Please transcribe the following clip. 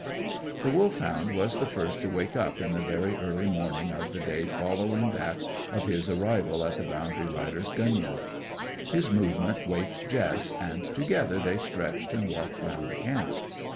The Wolfhound was the first to wake in the very early morning of the day following that of his arrival at the boundary rider's gunyah. His movement waked Jess, and together they stretched and walked round the camp.